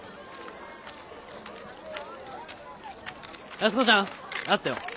安子ちゃんあったよ。